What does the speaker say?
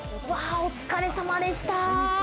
お疲れ様でした。